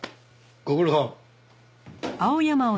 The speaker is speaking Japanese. ご苦労さん。